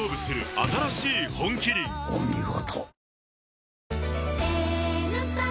お見事。